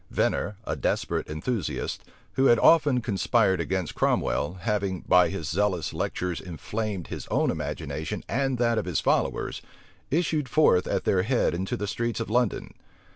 Venner, a desperate enthusiast, who had often conspired against Cromwell, having, by his zealous lectures inflamed his own imagination and that of his followers, issued forth at their head into the streets of London.